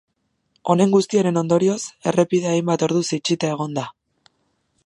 Honen guztiaren ondorioz, errepidea hainbat orduz itxita egon da.